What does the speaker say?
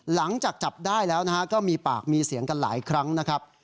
หลังจากจับได้แล้วนะฮะก็มีปากมีเสียงกันหลายครั้งนะครับ